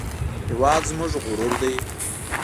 هېواد زموږ غرور دی